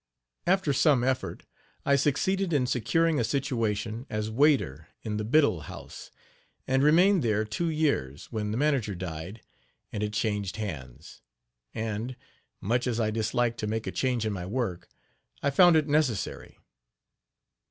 After some effort, I succeeded in securing a situation, as waiter, in the Biddle House, and remained there two years, when the manager died, and it changed hands; and, much as I disliked to make a change in my work, I found it necessary.